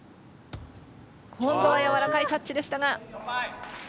今度はやわらかいタッチでしたが。